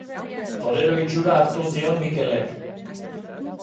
Torero itxura hartu zion Mikelek.